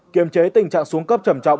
kiểm chế tình trạng xuống cấp trầm trọng